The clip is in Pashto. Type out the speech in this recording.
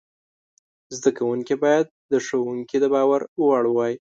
زده کوونکي باید د ښوونکي د باور وړ وای.